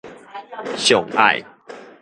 上愛